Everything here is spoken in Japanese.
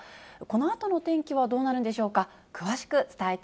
このあとの天気はどうなるんでしょうか。